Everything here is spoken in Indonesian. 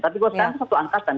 tapi sekarang satu angkatan